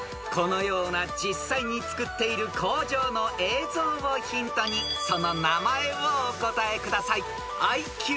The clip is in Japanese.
［このような実際に作っている工場の映像をヒントにその名前をお答えください］